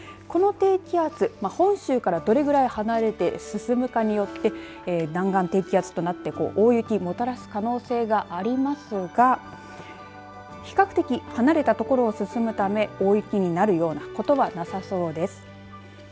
この低気圧本州からどれぐらい離れて進むかによって弾丸低気圧となって大雪をもたらす可能性がありますが比較的離れた所を進むため大雪になるようなことはなさそうです。